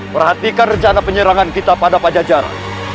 perhatikan rencana penyerangan kita pada pajajaran